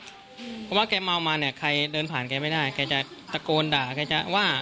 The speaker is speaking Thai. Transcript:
เพราะว่าแกเมามาเนี่ยใครเดินผ่านแกไม่ได้แกจะตะโกนด่าแกจะว่า